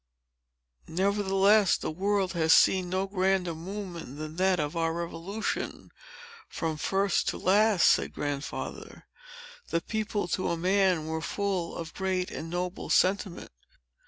"Nevertheless, the world has seen no grander movement than that of our Revolution, from first to last," said Grandfather. "The people, to a man, were full of a great and noble sentiment.